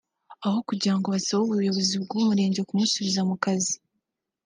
aho kugirango basabe ubuyobozi bw’umurenge kumusubiza mu kazi